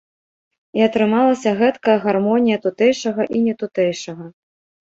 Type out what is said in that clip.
І атрымалася гэткая гармонія тутэйшага і нетутэйшага.